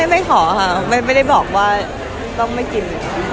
ไม่ขอค่ะไม่ได้บอกว่าต้องไม่กิน